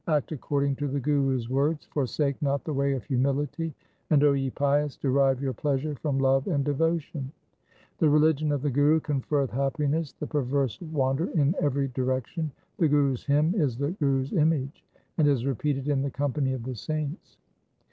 Act according to the Guru's words ; forsake not the way of humility, and, O ye pious, derive your pleasure from love and devotion. 5 The religion of the Guru conferreth happiness ; the per verse wander in every direction. 5 The Guru's hymn is the Guru's image, and is repeated in the company of the saints.